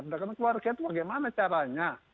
tindakan keluarga itu bagaimana caranya